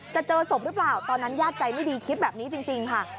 เจอศพหรือเปล่าตอนนั้นญาติใจไม่ดีคิดแบบนี้จริงค่ะ